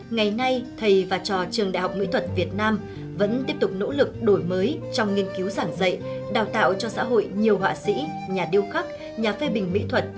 ngày nay thầy và trò trường đại học mỹ thuật việt nam vẫn tiếp tục nỗ lực đổi mới trong nghiên cứu giảng dạy đào tạo cho xã hội nhiều họa sĩ nhà điêu khắc nhà phê bình mỹ thuật